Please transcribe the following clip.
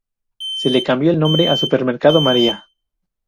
Se le cambió el nombre a Supermercado María.